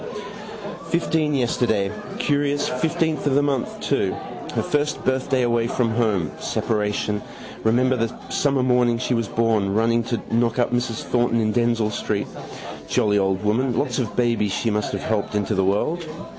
Fifteen yesterday. Curious, fifteenth of the month too. Her first birthday away from home. Separation. Remember the summer morning she was born, running to knock up Mrs Thornton in Denzille street. Jolly old woman. Lot of babies she must have helped into the world.